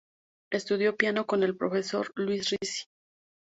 Estudió piano con el profesor Luis Ricci.